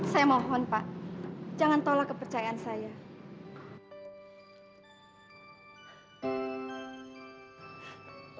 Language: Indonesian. saya mohon pak jangan tolak kepercayaan saya